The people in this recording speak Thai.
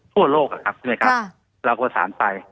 ทั่วโลกครับใช่มั้ยครับเราประสานไป